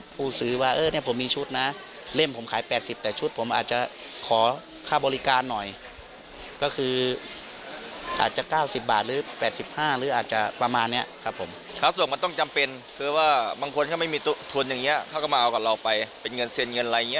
เขาก็จะเอากับเราไปเป็นเงินเซียนเงินอะไรอย่างนี้